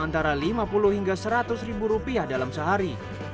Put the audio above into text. antara lima puluh hingga seratus ribu rupiah dalam sehari